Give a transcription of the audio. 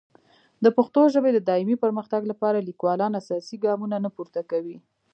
د پښتو ژبې د دایمي پرمختګ لپاره لیکوالان اساسي ګامونه نه پورته کوي.